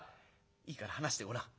いいから話してごらん。